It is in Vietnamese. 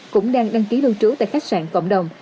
cũng đang đăng ký lưu trú tại khách sạn cộng đồng